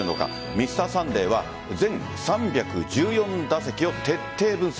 「Ｍｒ．サンデー」は全３１４打席を徹底分析。